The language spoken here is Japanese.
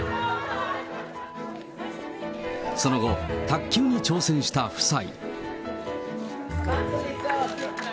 その後、卓球に挑戦した夫妻。